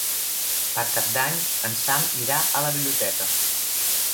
Per Cap d'Any en Sam irà a la biblioteca.